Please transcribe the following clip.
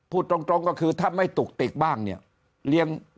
พูดตรงก็คือถ้าไม่ตุกติดบ้างเนี่ย